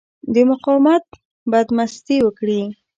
د مقاومت بدمستي وکړي.